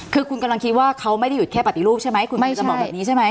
คือคุณกำลังคิดว่าเขาไม่ได้หยุดแค่ปฏิรูปใช่ไหมคุณกำลังจะบอกแบบนี้ใช่ไหม